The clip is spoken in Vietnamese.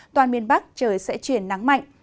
toàn miền bắc trời sẽ chuyển nắng mạnh